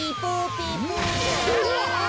うわ！